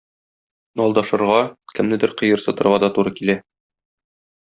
Алдашырга, кемнедер кыерсытырга да туры килә.